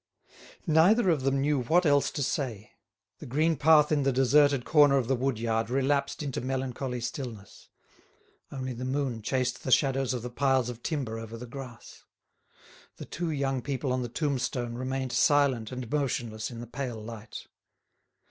Neither of them knew what else to say. The green path in the deserted corner of the wood yard relapsed into melancholy stillness; only the moon chased the shadows of the piles of timber over the grass. The two young people on the tombstone remained silent and motionless in the pale light.